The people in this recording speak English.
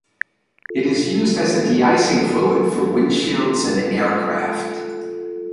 It is used as a de-icing fluid for windshields and aircraft.